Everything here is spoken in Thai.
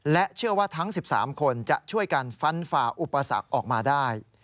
เชื่อว่าทั้ง๑๓คนจะช่วยกันฟันฝ่าอุปสรรคออกมาได้